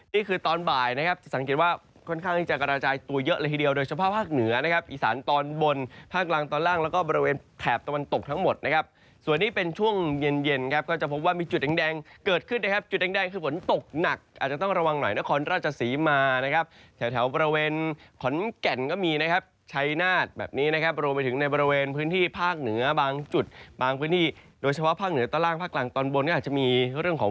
นี่คือตอนบ่ายนะครับสังเกตว่าค่อนข้างจะกระจายตัวเยอะเลยทีเดียวโดยเฉพาะภาคเหนือนะครับอิสานตอนบนภาคล่างตอนล่างแล้วก็บริเวณแถบตะวันตกทั้งหมดนะครับส่วนนี้เป็นช่วงเย็นครับก็จะพบว่ามีจุดแดงเกิดขึ้นนะครับจุดแดงคือฝนตกหนักอาจจะต้องระวังหน่อยนะครับขอนราชสีมานะครับแถวบริเว